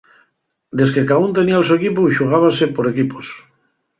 Desque caún tenía'l so equipu, xugábase por equipos.